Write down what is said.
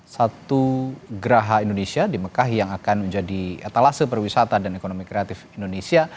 satu geraha indonesia di mekah yang akan menjadi etalase perwisata dan ekonomi kreatif indonesia